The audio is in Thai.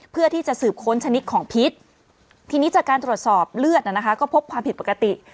เพื่อที่จะสืบค้นชนิดของพิษทีนี้จากการตรวจสอบเลือดก็พบความผิดปกติ